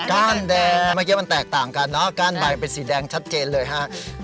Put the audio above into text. แดงเมื่อกี้มันแตกต่างกันเนอะก้านใบเป็นสีแดงชัดเจนเลยฮะ